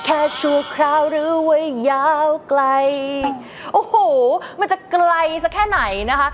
โอ้โหวมันจะไกลสักแค่ไหนนะคะ